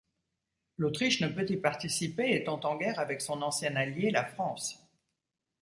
L'Autriche ne peut y participer, étant en guerre avec son ancien alliée, la France.